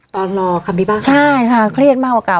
ตอนรอค่ะพี่บ้างใช่ค่ะเครียดมากกว่าเก่า